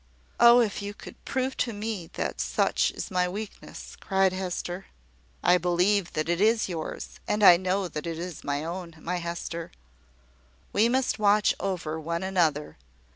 "Oh, if you could prove to me that such is my weakness!" cried Hester. "I believe that it is yours, and I know that it is my own, my Hester. We must watch over one another.